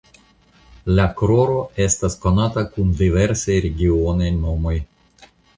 La "kroro" estas konata kun diversaj regionaj nomoj.